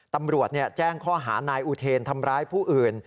ตำรวจแจ้งข้อหานายอุเทนทำร้ายผู้อื่น